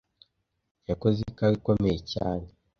Yakoze ikawa ikomeye cyane.